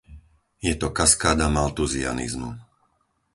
Je to kaskáda maltuzianizmu.